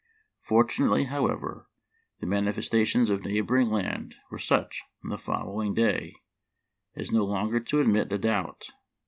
Fortunately, however, the manifestations of neighboring land were such on the following day as no longer to admit a doubt.